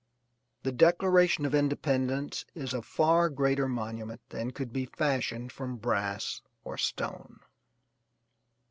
The Declaration of Independence is a far greater monument than could be fashioned from brass or stone.